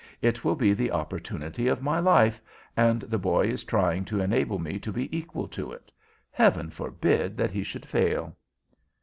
It will be the opportunity of my life, and the boy is trying to enable me to be equal to it. Heaven forbid that he should fail!"